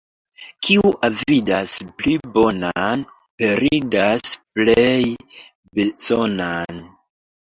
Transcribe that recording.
Kiu avidas pli bonan, perdas plej bezonan.